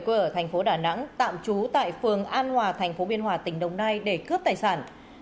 quê ở thành phố đà nẵng tạm trú tại phường an hòa thành phố biên hòa tỉnh đồng nai để cướp tài sản